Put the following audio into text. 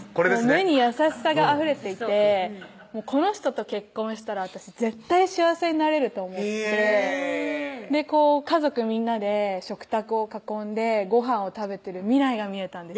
目に優しさがあふれていてこの人と結婚したら私絶対幸せになれると思って家族みんなで食卓を囲んでごはんを食べてる未来が見えたんです